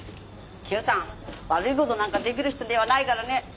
久さん悪い事なんかできる人ではないからね。